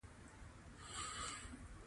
نورستان د افغان ځوانانو د هیلو استازیتوب کوي.